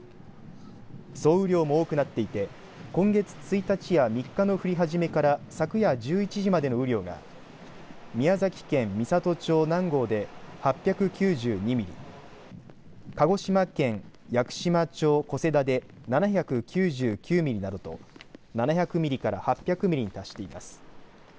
総雨量も多くなっていて今月１日や３日の降り始めから昨夜１１時までの雨量が宮崎県美郷町南郷で８９２ミリ鹿児島県屋久島町小瀬田で７９９ミリなどと７００ミリから８００ミリに達しています。